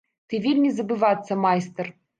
Ты вельмі забывацца майстар!